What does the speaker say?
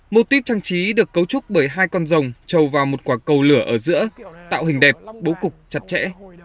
mô típ trang trí được cấu trúc bởi hai con rồng trầu vào một quả cầu lửa ở giữa tạo hình đẹp bố cục chặt chẽ